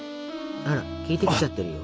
あら効いてきちゃてるよ！